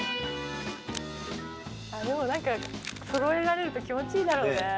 でも何かそろえられると気持ちいいだろうね。